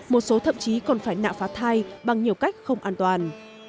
một số thậm chí còn phải nạ phá thai bằng nhiều cách không an toàn